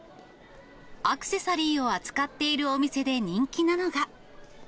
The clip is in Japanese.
アクセサリーを扱っているお店で人気なのが。